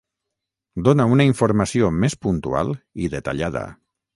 dóna una informació més puntual i detallada